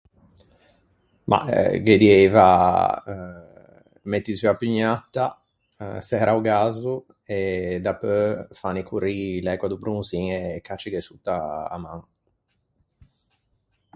Mah, ghe dieiva metti zu a pignatta, særa o gazzo, e dapeu fanni corrî l'ægua do bronzin e caccighe sotta a man.